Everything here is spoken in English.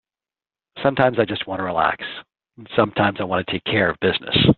Sometimes I just want to relax, sometimes I want to take care of business.